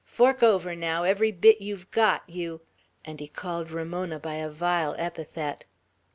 Fork over, now, every bit you've got, you " And he called Ramona by a vile epithet.